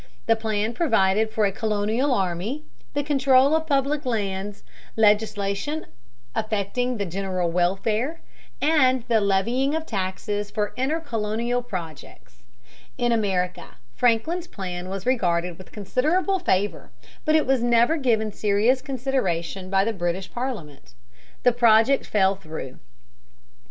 The plan provided for a colonial army, the control of public lands, legislation affecting the general welfare, and the levying of taxes for intercolonial projects. In America Franklin's plan was regarded with considerable favor, but it was never given serious consideration by the British Parliament. The project fell through.